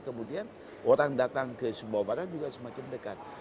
kemudian orang datang ke sumbawa barat juga semakin dekat